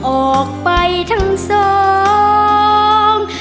ออกไปทั้งสอง